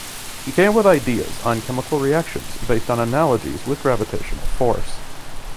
He came up with ideas on chemical reactions based on analogies with gravitational force.